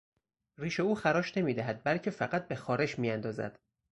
ریش او خراش نمیدهد بلکه فقط به خارش میاندازد.